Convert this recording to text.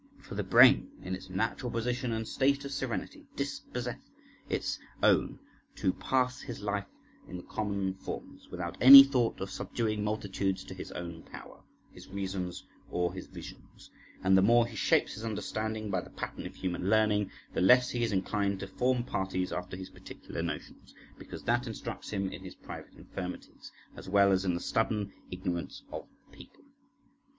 For the brain in its natural position and state of serenity disposeth its owner to pass his life in the common forms, without any thought of subduing multitudes to his own power, his reasons, or his visions, and the more he shapes his understanding by the pattern of human learning, the less he is inclined to form parties after his particular notions, because that instructs him in his private infirmities, as well as in the stubborn ignorance of the people.